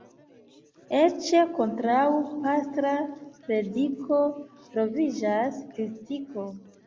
Eĉ kontraŭ pastra prediko troviĝas kritiko.